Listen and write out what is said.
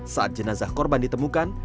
saat jenazah korban ditemukan